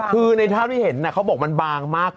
คือในภาพที่เห็นเขาบอกมันบางมาก